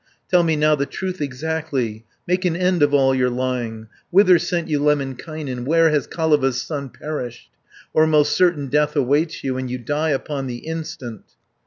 Tell me now the truth exactly, Make an end of all your lying, Whither sent you Lemminkainen, Where has Kaleva's son perished? Or most certain death awaits you, And you die upon the instant."